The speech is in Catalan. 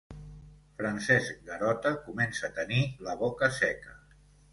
Francesc Garota comença a tenir la boca seca.